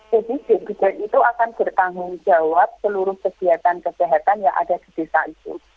jadi bidan itu akan bertanggung jawab seluruh kesihatan kesihatan yang ada di desa itu